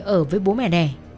ở với bố mẹ nè